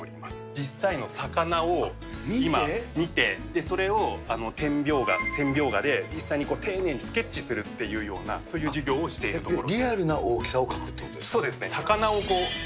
実際の魚を今、見て、それを点描画、線描画で実際に丁寧にスケッチするというような、そういう授業をしているところです。